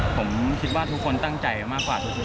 ผมคิดว่าทุกคนตั้งใจมากกว่าทุกคน